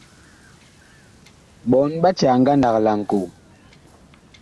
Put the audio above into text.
Ɓɔɔŋ ɓa caa ngandag laŋkoo.